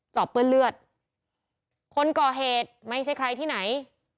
อบเปื้อนเลือดคนก่อเหตุไม่ใช่ใครที่ไหน